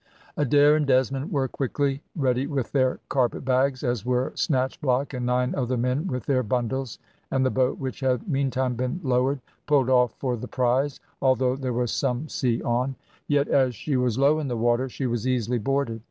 Adair and Desmond were quickly ready with their carpet bags, as were Snatchblock and nine other men with their bundles, and the boat which had, meantime, been lowered, pulled off for the prize, although there was some sea on; yet as she was low in the water, she was easily boarded.